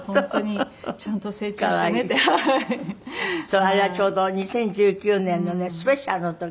そうあれはちょうど２０１９年のねスペシャルの時。